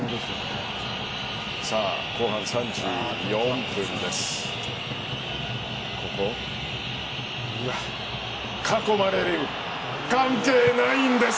後半３４分です。